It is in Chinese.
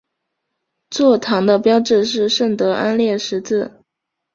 座堂的标志是圣安德烈十字。